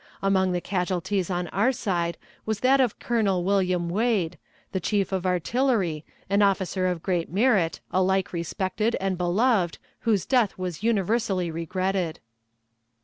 Among the casualties on our side was that of Colonel William Wade, the chief of artillery, an officer of great merit, alike respected and beloved, whose death was universally regretted.